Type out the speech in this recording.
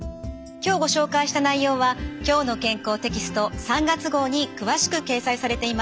今日ご紹介した内容は「きょうの健康」テキスト３月号に詳しく掲載されています。